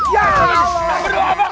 ya allah astagfirullah